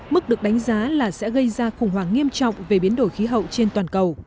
mức được đánh giá là sẽ gây ra khủng hoảng nghiêm trọng về biến đổi khí hậu trên toàn cầu